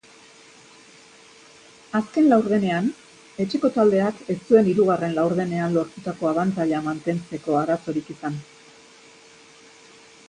Azken laurdenean etxeko taldeak ez zuen hirugarren laurdenean lortutako abantaila mantentzeko arazorik izan.